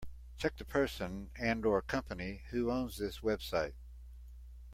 Check the person and/or company who owns this website.